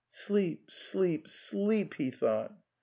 "* Sleep, sleep, sleep, ..." he thought.